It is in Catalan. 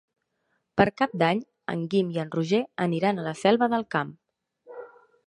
Per Cap d'Any en Guim i en Roger aniran a la Selva del Camp.